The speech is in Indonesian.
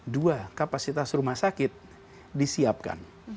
dua kapasitas rumah sakit disiapkan